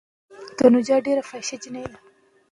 که تعلیم په خپله ژبه وي نو ماشوم نه ستړی کېږي.